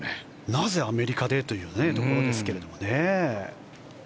なぜアメリカでというところですけどね。